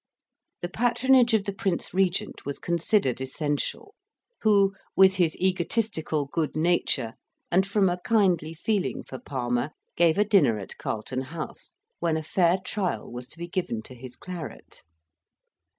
The patronage of the Prince Regent was considered essential, who, with his egotistical good nature, and from a kindly feeling for Palmer, gave a dinner at Carlton House, when a fair trial was to be given to his claret.